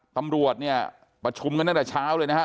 ตำรวจเนี่ยประชุมกันตั้งแต่เช้าเลยนะฮะ